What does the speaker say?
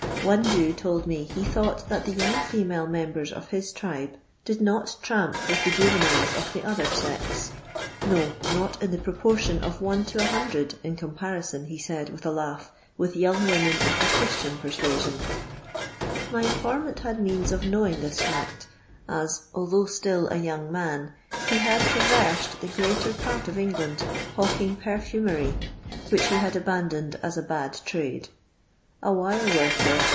One Jew told me he thoqght that the young female members of his tribe did LOXDON LABOUR AND THE LOXDOS^ POOR, 125 not tramp with tlie jnyenilct of the other sex— no, not in the proportion of one to a hundred in compurison, he taid with a kugh, with " young women of the Ghristiiin persuasion." My in fennant had means of knowing this fkct, as although ftill a young man, he had traversed the greater j part of England hawking perfumery, which he ; bad abandoned as a bad trade. A wire worker